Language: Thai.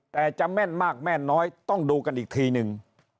แต่จะแม่นมากแม่นน้อยต้องดูกันอีกทีนึง